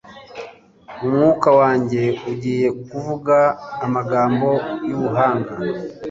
Umunwa wanjye ugiye kuvuga amagambo y’ubuhanga